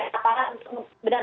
jadi yang harus diawasi dan